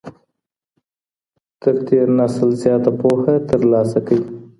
تر تېر نسل زياته پوهه ترلاسه کړئ.